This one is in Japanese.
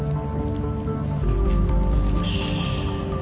よし。